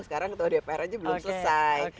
sekarang ketua dpr aja belum selesai